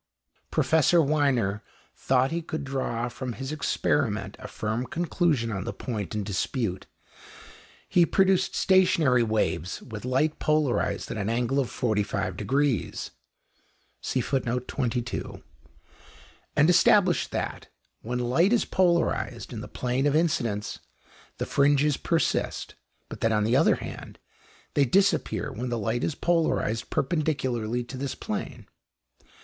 Professor Wiener thought he could draw from his experiment a firm conclusion on the point in dispute. He produced stationary waves with light polarized at an angle of 45°, and established that, when light is polarized in the plane of incidence, the fringes persist; but that, on the other hand, they disappear when the light is polarized perpendicularly to this plane.